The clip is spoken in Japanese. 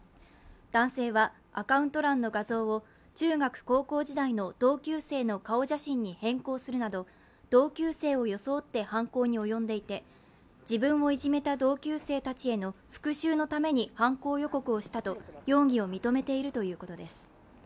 男性はアカウント欄の画像を中学・高校時代の同級生の顔写真に変更するなど同級生を装って犯行に及んでいて自分をいじめた同級生たちへの復しゅうのために犯行予告をしたと容疑を認めているということです。